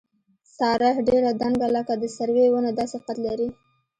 ساره ډېره دنګه لکه د سروې ونه داسې قد لري.